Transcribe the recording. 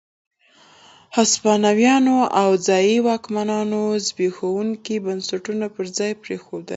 هسپانويانو او ځايي واکمنانو زبېښونکي بنسټونه پر ځای پرېښودل.